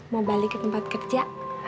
mau balik ke tempat kerja